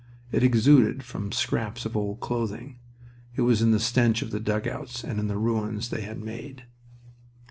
It exuded from scraps of old clothing, it was in the stench of the dugouts and in the ruins they had made.